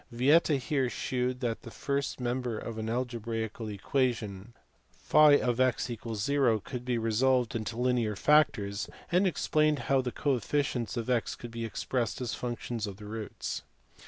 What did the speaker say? Vieta here shewed that the first member of an algebraical equation <>(x) = Q could be resolved into linear factors, and explained how the coefficients of x could be expressed as functions of the roots.